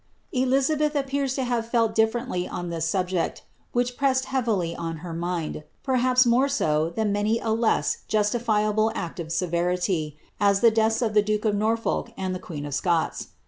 "' Elizabeth appears to have felt differenily on this subject, which pns^ heavdy on her mind; perhaps more so than many a less justifiable an of severity, as the deaths of the duke of Norfolk and the queen of Scou ELIZABETH.